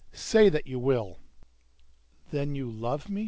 Say that you will!" "Then you owe me?"